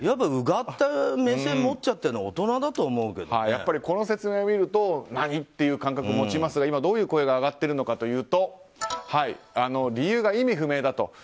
うがった目線を持っちゃっているのはこの説明を見ると何？っていう感覚を持ちますが今、どういう声が上がっているのかというと理由が意味不明だと。